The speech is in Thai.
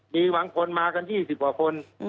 มีบางคนมากัน๒๐กว่าคน